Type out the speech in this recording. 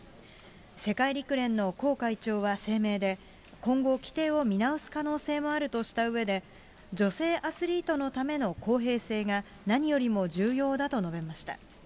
世界陸連のコー会長は声明で、今後、規定を見直す可能性もあるとしたうえで、女性アスリートのための公平性が何よりも重要だと述べました。